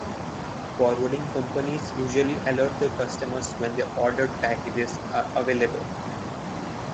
Forwarding companies usually alert their customers when their ordered packages are available.